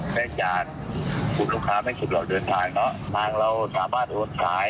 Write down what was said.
ช่วยเชื้อหลอกเดือนทางทางเราถามผ้าโทนชาย